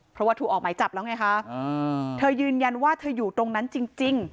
เพราะว่าถูกออกหมายจับแล้วไงคะเธอยืนยันว่าเธออยู่ตรงนั้นจริง